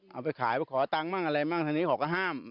เอาไปขายไปขอตังค์บ้างอะไรบ้างทางนี้เขาก็ห้าม